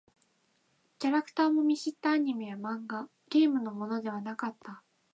キャラクターも見知ったアニメや漫画、ゲームのものではなかった。